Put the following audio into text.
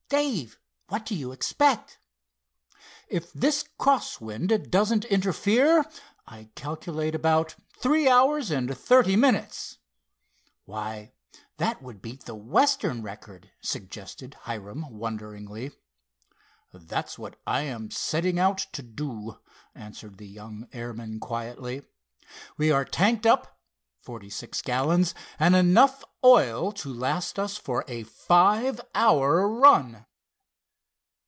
Dave, what do you expect?" "If this cross wind doesn't interfere, I calculate about three hours and thirty minutes." "Why, that would beat the Western record," suggested Hiram, wonderingly. "That's what I am setting out to do," answered the young airman quietly. "We are tanked up forty six gallons, and enough oil to last us for a five hour run."